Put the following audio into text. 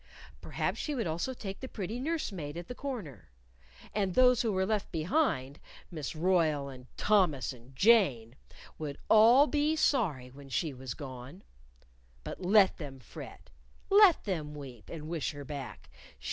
Perhaps she would also take the pretty nurse maid at the corner. And those who were left behind Miss Royle and Thomas and Jane would all be sorry when she was gone. But let them fret! Let them weep, and wish her back!